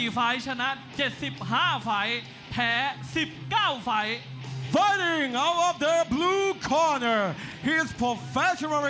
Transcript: ๙๔ฝ่ายชนะ๗๕ฝ่ายแพ้๑๙ฝ่าย